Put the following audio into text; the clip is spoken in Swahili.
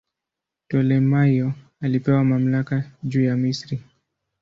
Ptolemaio alipewa mamlaka juu ya Misri.